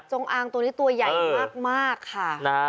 อางตัวนี้ตัวใหญ่มากค่ะ